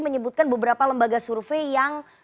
menyebutkan beberapa lembaga survei yang